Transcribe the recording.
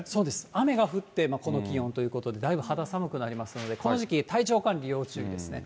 雨が降ってこの気温ということで、だいぶ肌寒くなりますんで、この時期、体調管理、要注意ですね。